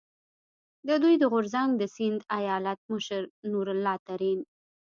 د دوی د غورځنګ د سیند ایالت مشر نور الله ترین،